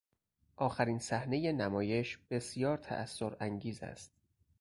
آخرین صحنهی نمایش بسیار تاثرانگیز است.